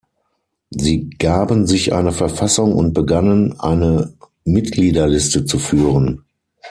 Sie gaben sich eine Verfassung und begannen, eine Mitgliederliste zu führen.